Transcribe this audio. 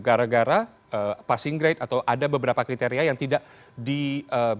gara gara passing grade atau ada beberapa kriteria yang tidak diberikan